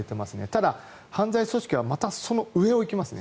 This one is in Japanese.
ただ、犯罪組織はまたその上を行きますね。